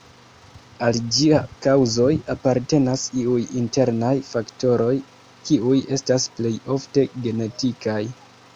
Al ĝia kaŭzoj apartenas iuj internaj faktoroj, kiuj estas plej ofte genetikaj.